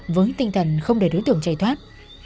với tinh thần không để đối tượng chạy thoát